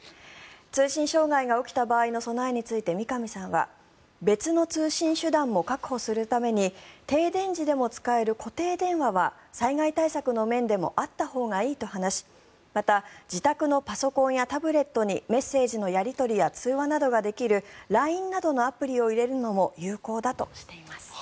通信障害が起きた場合の備えについて三上さんは別の通信手段も確保するために停電時でも使える固定電話は災害対策の面でもあったほうがいいと話しまた、自宅のパソコンやタブレットにメッセージのやり取りや通話などができるＬＩＮＥなどのアプリを入れるのも有効だとしています。